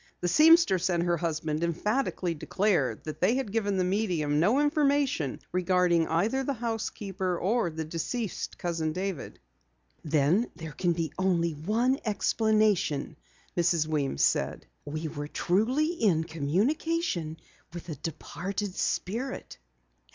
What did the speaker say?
The seamstress and her husband emphatically declared that they had given the medium no information regarding either the housekeeper or the deceased Cousin David. "Then there can be only one explanation," Mrs. Weems said. "We were truly in communication with a departed spirit."